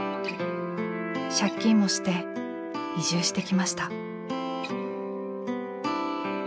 借金もして移住してきました。